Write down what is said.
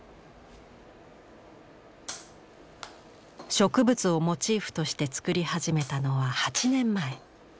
植物をモチーフとして作り始めたのは８年前。